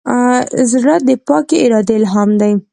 زړه د پاک ارادې الهام دی.